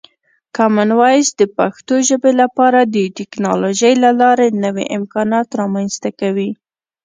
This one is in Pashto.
کامن وایس د پښتو ژبې لپاره د ټکنالوژۍ له لارې نوې امکانات رامنځته کوي.